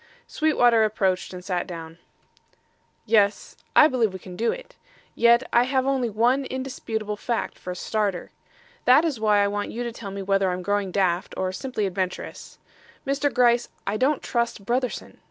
Sweetwater approached and sat down. "Yes; I believe we can do it; yet I have only one indisputable fact for a starter. That is why I want you to tell me whether I'm growing daft or simply adventurous. Mr. Gryce, I don't trust Brotherson.